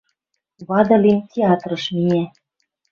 Вады лин — театрыш миӓ —